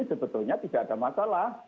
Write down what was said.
sebetulnya tidak ada masalah